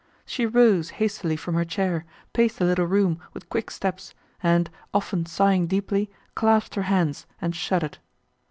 She rose hastily from her chair, paced the little room, with quick steps, and, often sighing deeply, clasped her hands, and shuddered.